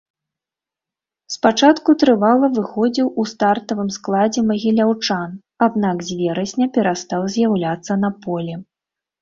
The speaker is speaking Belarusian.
Спачатку трывала выхадзіў у стартавым складзе магіляўчан, аднак з верасня перастаў з'яўляцца на полі.